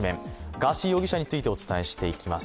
ガーシー容疑者についてお伝えしていきます。